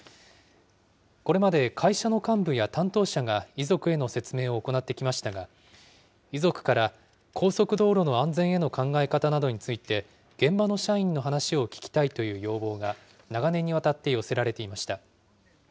これまで会社の幹部や担当者が遺族への説明を行ってきましたが、遺族から、高速道路の安全への考え方などについて、現場の社員の話を聞きたいという要望が、長年にわたって寄せられていました。